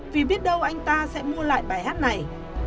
vì biết đâu anh ta sẽ mua lại bài hát này